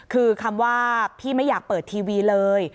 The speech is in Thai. คือคำว่าพี่ไม่อยากเปิดทีวีเลย